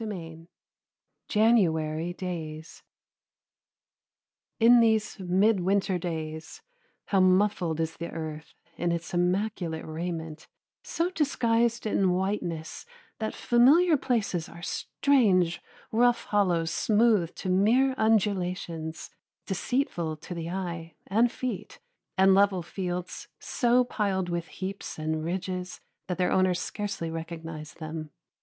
XLVIII JANUARY DAYS In these midwinter days, how muffled is the earth in its immaculate raiment, so disguised in whiteness that familiar places are strange, rough hollows smoothed to mere undulations, deceitful to the eye and feet, and level fields so piled with heaps and ridges that their owners scarcely recognize them.